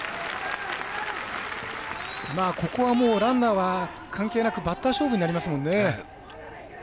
ここはランナーは関係なくバッター勝負になりますよね。